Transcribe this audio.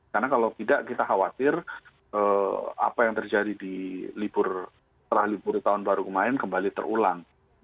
karena kalau tidak kita khawatir apa yang terjadi di libur setelah libur tahun baru kemarin kembali terulang